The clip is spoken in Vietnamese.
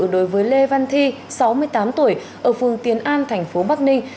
đối với lê văn thi sáu mươi tám tuổi ở phường tiến an thành phố bắc ninh